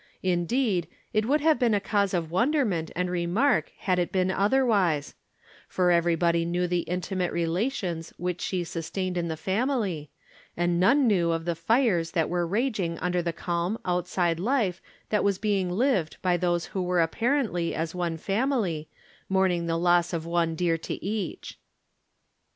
In deed, it would have been a cause of wonderment and remark had it been otherwise ; for everybody knew the intimate relations which she sustained in the family, and none knew of the fires that were raging under the calm, outside life that was being lived by those who were apparently as one family, mourning the loss of one dear to each.